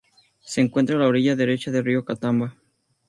Se encuentra a la orilla derecha del río Catawba.